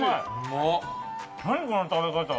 何この食べ方！